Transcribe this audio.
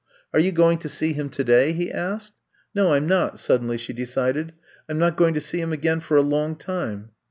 Axe you going to see him today!" he asked. No, I 'm not," suddenly she decided. '*I 'm not going to see him again for a long time."